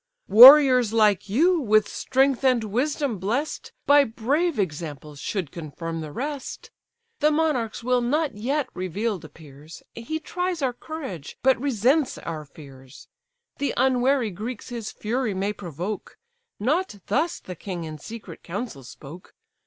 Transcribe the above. "Warriors like you, with strength and wisdom bless'd, By brave examples should confirm the rest. The monarch's will not yet reveal'd appears; He tries our courage, but resents our fears. The unwary Greeks his fury may provoke; Not thus the king in secret council spoke.